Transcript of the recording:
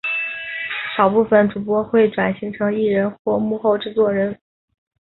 少部份主播会转型成艺人或幕后制作人。